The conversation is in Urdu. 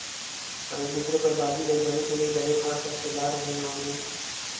اور ایک دوسرے پر بازی لے جانے کیلئے گلے پھاڑ کر چلا رہے ہوں گے